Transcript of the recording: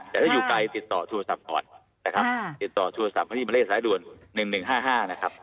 แต่ถ้าอยู่ไกลติดต่อโทรศัพท์ก่อนนะครับติดต่อโทรศัพท์มาที่มาเลขสายด่วน๑๑๕๕นะครับ